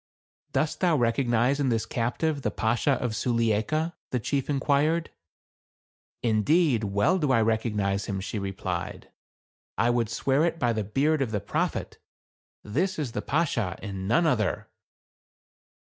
"Dost thou recognize in this cap tive the Bashaw of Sulieika ?" the chief inquired. "Indeed, well do I recognize him," she replied. " I would swear it by the beard of the Prophet. THE CARAVAN. 1G7 This is the Bashaw, and none other."